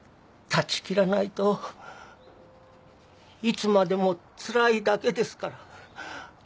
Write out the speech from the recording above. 断ち切らないといつまでもつらいだけですから。